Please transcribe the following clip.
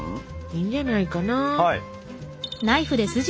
いいんじゃないかな？